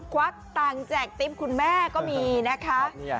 ควักตังค์แจกติ๊บคุณแม่ก็มีนะคะ